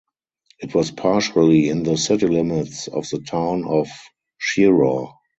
It was partially in the city limits of the town of Cheraw.